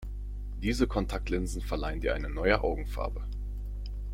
Diese Kontaktlinsen verleihen dir eine neue Augenfarbe.